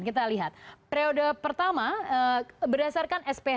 kita lihat periode pertama berdasarkan sph